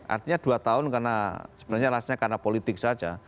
artinya dua tahun karena sebenarnya rasnya karena politik saja